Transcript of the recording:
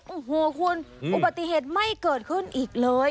โอ้โหคุณอุบัติเหตุไม่เกิดขึ้นอีกเลย